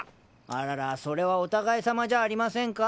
あららそれはお互いさまじゃありませんか。